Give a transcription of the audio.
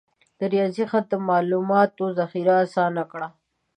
د ریاضي خط د معلوماتو ذخیره آسانه کړه.